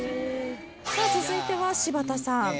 続いては柴田さん。